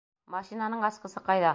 Машинаның асҡысы ҡайҙа?